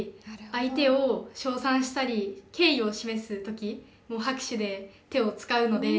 相手を称賛したり敬意を示す時も拍手で手を使うので。